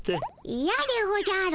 イヤでおじゃる。